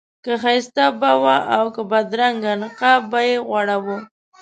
که ښایسته به و او که بدرنګه نقاب به یې غوړاوه.